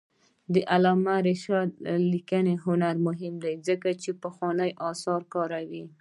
د علامه رشاد لیکنی هنر مهم دی ځکه چې پخواني آثار کاروي.